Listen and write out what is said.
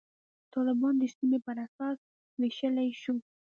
طالبان د سیمې پر اساس ویشلای شو.